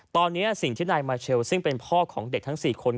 ตอนนี้สิ่งที่นายมาเชลซึ่งเป็นพ่อของเด็กทั้ง๔คน